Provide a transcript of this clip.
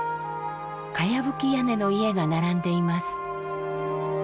茅葺き屋根の家が並んでいます。